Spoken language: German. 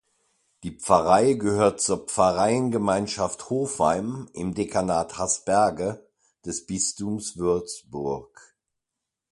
Die Pfarrei gehört zur Pfarreiengemeinschaft Hofheim im Dekanat Haßberge des Bistums Würzburg.